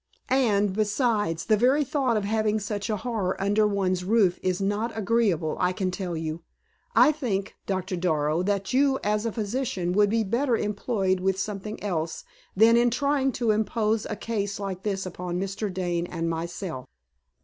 And, besides, the very thought of having such a horror under one's roof is not agreeable, I can tell you. I think, Doctor Darrow, that you, as a physician, would be better employed with something else, than in trying to impose a case like this upon Mr. Dane and myself!"